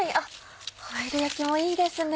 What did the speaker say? ホイル焼きもいいですね。